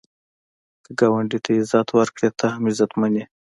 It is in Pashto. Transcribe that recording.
که ګاونډي ته عزت ورکړې، ته هم عزتمن یې